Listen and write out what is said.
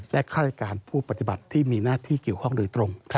และข้าราชการผู้ปฏิบัติที่มีหน้าที่เกี่ยวข้องโดยตรง